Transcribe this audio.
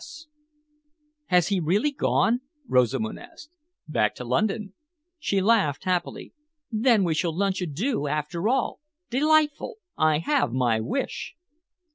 "S." "Has he really gone?" Rosamund asked. "Back to London." She laughed happily. "Then we shall lunch à deux after all! Delightful! I have my wish!"